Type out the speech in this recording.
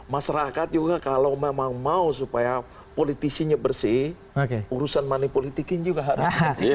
masyarakat juga kalau memang mau supaya politisinya bersih urusan money politik ini juga harus